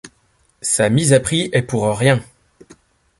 Sa mise à prix est pour rien!